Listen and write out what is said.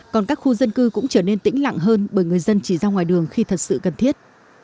còn các khu dân cư cũng trở nên tĩnh lặng hơn bởi người dân chỉ ra ngoài đường khi thật sự cần thiết